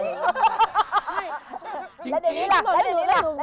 จริงแล้วเดี๋ยวนี้ล่ะ